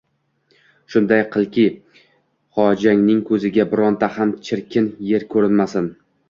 Shunday qilki, xojangning ko‘ziga bironta ham chirkin yer ko‘rinmasin.